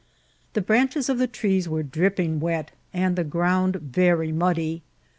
The branches of the trees w^re dripping wet, and the ground yi^ muddy.